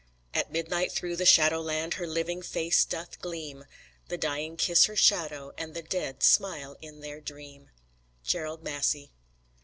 At midnight through the shadow land Her living face doth gleam; The dying kiss her shadow, and The dead smile in their dream. _Gerald Massey.